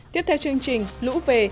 tiếp theo chương trình lũ về